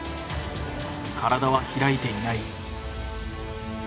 体は開いていない。